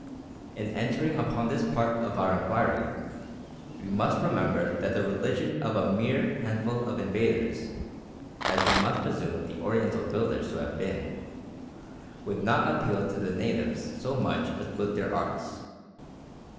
In entering upon this part of our inquiry, we must remember that the religion of a mere handful of invaders, as we must presume the Oriental builders to have been, would not appeal to the natives so much as would their arts.